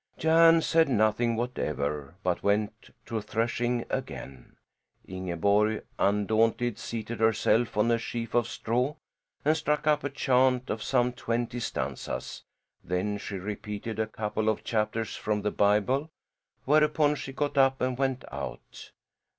Jan said nothing whatever, but went to threshing again. Ingeborg, undaunted, seated herself on a sheaf of straw and struck up a chant of some twenty stanzas, then she repeated a couple of chapters from the Bible, whereupon she got up and went out.